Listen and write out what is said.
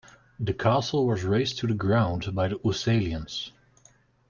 The castle was razed to the ground by the Oeselians.